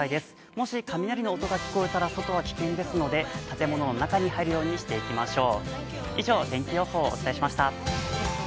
もし雷の音が聞こえたら、外は危険ですので建物の中に入るようにしていきましょう。